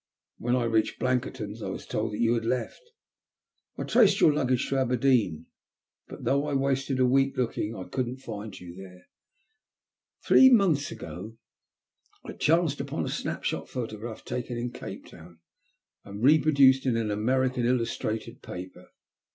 But when I reached Blankerton's I was told that you had left. I traced your luggage to Aberdeen ; THE END, 275 but, though I wasted a week looking, I couldn't find you there. Three months ago I chanced upon a snap shot photograph taken in Cape Town, and reproduced in an American illustrated paper.